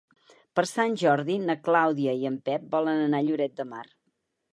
Per Sant Jordi na Clàudia i en Pep volen anar a Lloret de Mar.